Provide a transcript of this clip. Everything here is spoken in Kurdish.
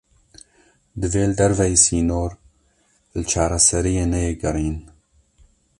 Divê li derveyî sînor, li çareseriyê neyê gerîn